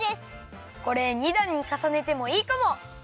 これ２だんにかさねてもいいかも！